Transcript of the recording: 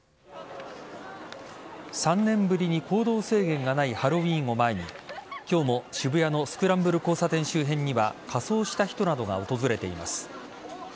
３年ぶりに行動制限がないハロウィーンを前に今日も渋谷のスクランブル交差点周辺には仮装した人などが訪れています。